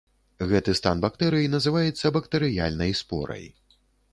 Гэты стан бактэрый называецца бактэрыяльнай спорай.